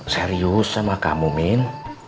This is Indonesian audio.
serius sama kamu min